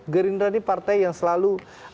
gerindra ini partai yang selalu